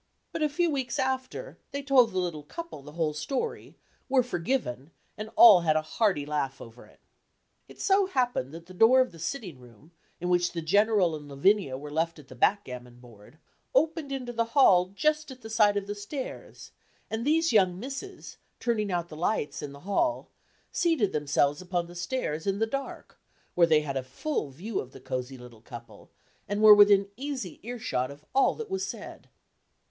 But a few weeks after, they told the little couple the whole story, were forgiven, and all had a hearty laugh over it. It so happened that the door of the sitting room, in which the General and Lavinia were left at the backgammon board, opened into the hall just at the side of the stairs, and these young misses, turning out the lights in the hall, seated themselves upon the stairs in the dark, where they had a full view of the cosy little couple, and were within easy ear shot of all that was said.